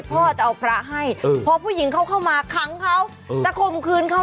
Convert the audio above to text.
พ่อจะเอาพระให้พอผู้หญิงเขาเข้ามาขังเขาจะข่มขืนเขา